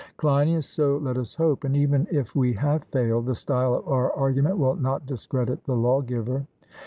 CLEINIAS: So let us hope; and even if we have failed, the style of our argument will not discredit the lawgiver.